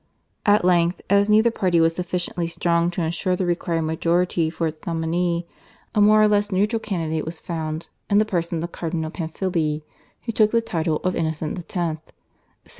At length, as neither party was sufficiently strong to ensure the required majority for its nominee, a more or less neutral candidate was found in the person of Cardinal Pamfili who took the title of Innocent X.